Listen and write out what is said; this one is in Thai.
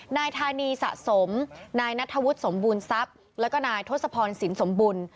นายธานีสะสมนายนัทธวุฒิสมบูรณทรัพย์แล้วก็นายทศพรสินสมบูรณ์